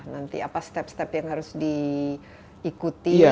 nanti apa step step yang harus diikuti